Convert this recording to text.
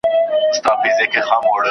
عملي کار تر نظري خبرو زيات تاثير لري.